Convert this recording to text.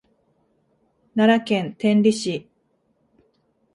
奈良県天理市